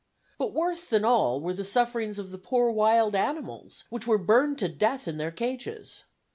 But worse than all were the sufferings of the poor wild animals which were burned to death in their cages.